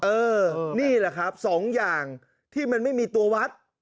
เออนี่แหละครับสองอย่างที่มันไม่มีตัววัด